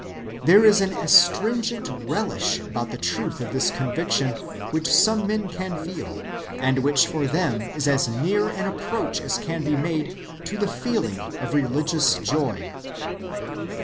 There is an astringent relish about the truth of this conviction which some men can feel, and which for them is as near an approach as can be made to the feeling of religious joy.